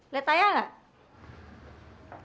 liat ayah gak